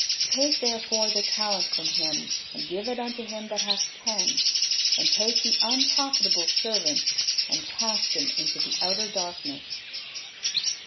Take therefore the talent from him, and give it unto him that hath ten; and take the unprofitable servant and cast him into the outer darkness."